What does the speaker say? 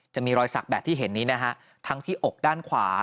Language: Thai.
จะมีรอยสักแบบที่เห็นนี้นะฮะทั้งที่อกด้านขวา